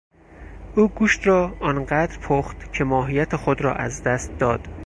او گوشت را آن قدر پخت که ماهیت خود را از دست داد.